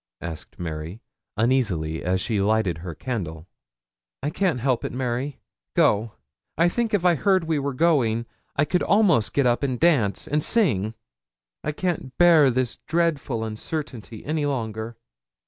asked Mary, uneasily, as she lighted her candle. 'I can't help it, Mary. Go. I think if I heard we were going, I could almost get up and dance and sing. I can't bear this dreadful uncertainty any longer.'